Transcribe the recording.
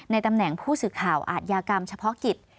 ตำแหน่งผู้สื่อข่าวอาทยากรรมเฉพาะกิจ